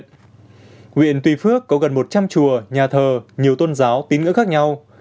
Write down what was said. huyện tuy phước có gần một trăm linh chùa nhà thờ nhiều tôn giáo tín ngưỡng khác nhau